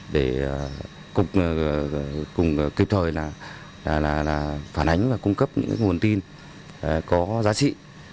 để cục cùng kịp thời là phản ánh và cung cấp những nguồn tin có giá trị